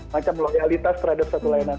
macam loyalitas terhadap satu layanan